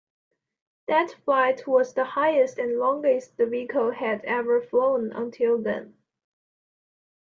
That flight was the highest and longest the vehicle had ever flown until then.